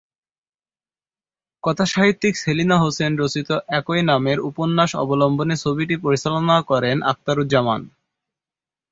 কথাসাহিত্যিক সেলিনা হোসেন রচিত "একই নামের" উপন্যাস অবলম্বনে ছবিটি পরিচালনা করেন আখতারুজ্জামান।